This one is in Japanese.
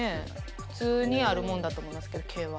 普通にあるものだと思いますけど毛は。